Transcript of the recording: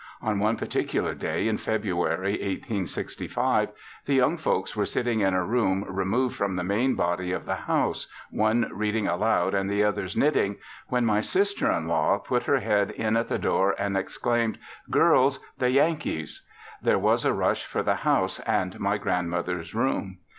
On one particular day in February, 1865, the young folks were sitting in a room removed from the main body of the house, one reading aloud and the others knitting, when my sister in law put her head in at the door and exclaimed, "Girls, the Yankees." There was a rush for the house and my grandmother's room.